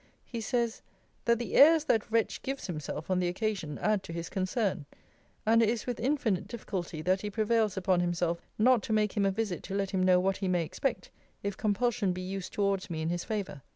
He says, 'that the airs that wretch gives himself on the occasion add to his concern; and it is with infinite difficulty that he prevails upon himself not to make him a visit to let him know what he may expect, if compulsion be used towards me in his favour.